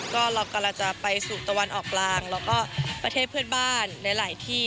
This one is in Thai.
ก็เรากำลังจะไปสู่ตะวันออกกลางแล้วก็ประเทศเพื่อนบ้านหลายที่